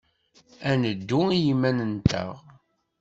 Ad neddu i yiman-nteɣ.